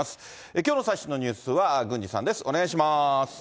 きょうの最新のニュースは郡司さんです、お願いします。